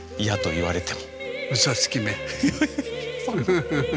フフフ！